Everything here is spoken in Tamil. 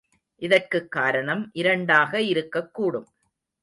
இதற்குக் காரணம் இரண்டாக இருக்கக்கூடும்.